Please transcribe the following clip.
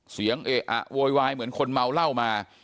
เอะอะโวยวายเหมือนคนเมาเหล้ามา